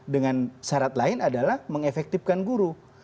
dengan syarat lain adalah mengefektifkan guru